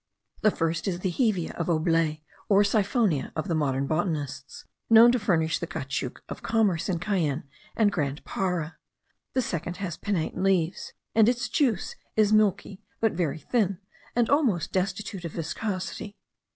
The first is the hevea of Aublet, or siphonia of the modern botanists, known to furnish the caoutchouc of commerce in Cayenne and Grand Para; the second has pinnate leaves, and its juice is milky, but very thin, and almost destitute of viscosity.